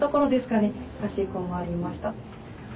かしこまりました。